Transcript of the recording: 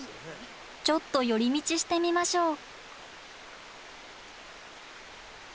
ちょっと寄り道してみましょう。